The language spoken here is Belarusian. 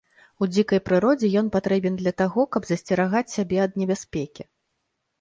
У дзікай прыродзе ён патрэбен для таго, каб засцерагаць сябе ад небяспекі.